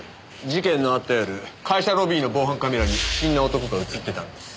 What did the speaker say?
事件のあった夜会社ロビーの防犯カメラに不審な男が映ってたんです。